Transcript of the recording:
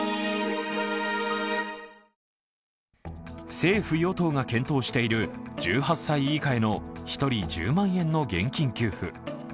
政府・与党が検討している１８歳以下への１人１０万円の現金給付。